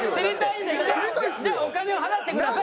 じゃあお金を払ってください。